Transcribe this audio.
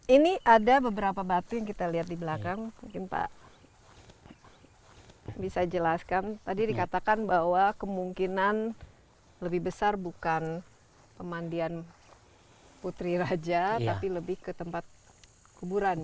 ini ada beberapa batu yang kita lihat di belakang mungkin pak bisa jelaskan tadi dikatakan bahwa kemungkinan lebih besar bukan pemandian putri raja tapi lebih ke tempat kuburan